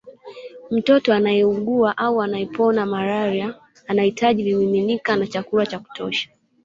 Mtoto anayeugua au anayepona malaria anahitaji vimiminika na chakula cha kutosha